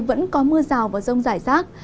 vẫn có mưa rào và rông rải rác